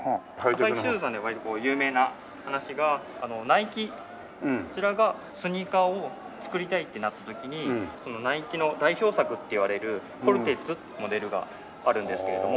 アサヒシューズさんで割と有名な話がナイキそちらがスニーカーを作りたいってなった時にナイキの代表作といわれるコルテッツというモデルがあるんですけれども。